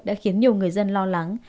đã khiến nhiều người dân lo lắng